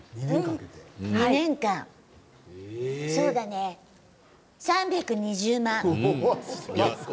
２年間そうだね３２０万。